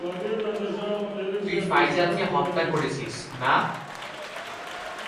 তুই ফাইজালকে হত্যা করেছিস, না?